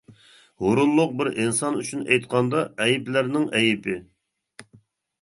ھۇرۇنلۇق بىر ئىنسان ئۈچۈن ئېيتقاندا، ئەيىبلەرنىڭ ئەيىبى.